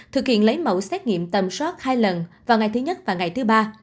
thực hiện lấy mẫu xét nghiệm tầm soát hai lần vào ngày thứ nhất và ngày thứ ba